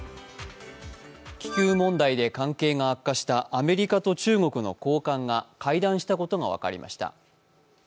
気球問題で関係が悪化したアメリカと中国の高官が会談したことが分かりました。